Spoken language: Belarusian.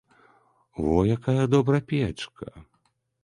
Во якая добра печка!